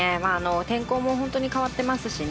天候も本当に変わってますしね